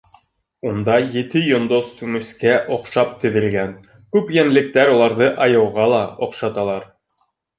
Унда ете йондоҙ сүмескә оҡшап теҙелгән, күп йәнлектәр уларҙы айыуға ла оҡшаталар.